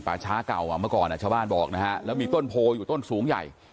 ช้าเก่าอ่ะเมื่อก่อนชาวบ้านบอกนะฮะแล้วมีต้นโพอยู่ต้นสูงใหญ่